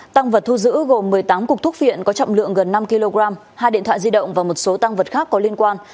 tăng vật thu giữ gồm một mươi tám cục thuốc phiện có trọng lượng gần năm kg hai điện thoại di động và một số tăng vật khác có liên quan